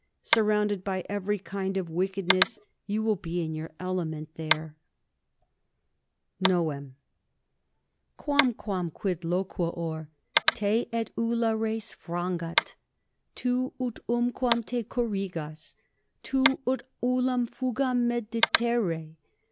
Surrounded by every kind of wickedness, you will be in your element there._ =9.= Quamquam quid loquor? te ut ulla res frangat? tu ut umquam 22 te corrigas? tu ut ullam fugam meditere?